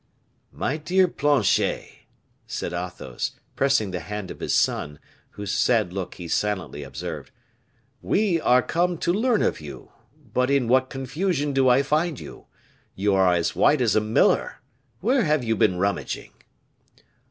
"My dear Planchet," said Athos, pressing the hand of his son, whose sad look he silently observed, "we are come to learn of you But in what confusion do I find you! You are as white as a miller; where have you been rummaging?"